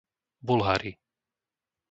Bulhary